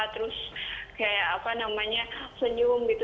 terus kayak apa namanya senyum gitu